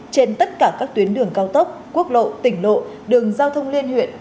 trên tất cả các tuyến đường cao tốc quốc lộ tỉnh lộ đường giao thông liên huyện